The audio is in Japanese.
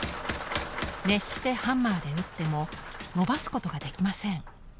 熱してハンマーで打ってものばすことができません。